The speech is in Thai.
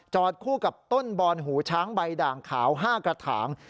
คู่กับต้นบอนหูช้างใบด่างขาว๕กระถาง